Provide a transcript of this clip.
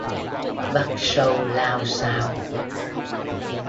Bắt sâu lao xao